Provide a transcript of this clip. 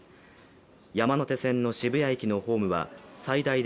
山手線の渋谷駅のホームは最大で